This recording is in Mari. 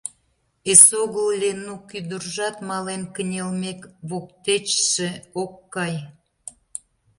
Эсогыл Ленук ӱдыржат, мален кынелмек, воктечше ок кай.